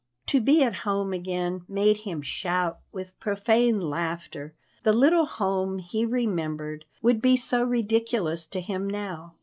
To be at home again made him shout with profane laughter, the little home he remembered would be so ridiculous to him now.